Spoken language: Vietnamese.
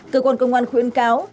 cơ quan công an khuyên cáo